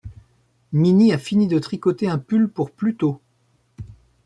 Minnie a fini de tricoter un pull pour Pluto.